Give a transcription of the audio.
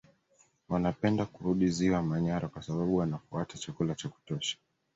Wanapenda kurudi Ziwa Manyara kwa sababu wanafuata chakula cha kutosha